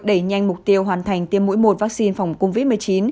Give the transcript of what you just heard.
đẩy nhanh mục tiêu hoàn thành tiêm mũi một vaccine phòng covid một mươi chín